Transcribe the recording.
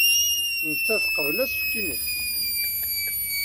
Nettat teqbel asefk-nnes.